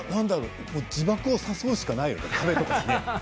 自爆を誘うしかないよね。